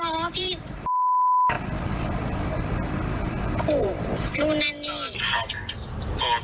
มันไม่ติดไปเองทั้งนั้น